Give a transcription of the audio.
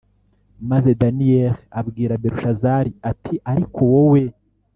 Maze daniyeli abwira belushazari ati ariko wowe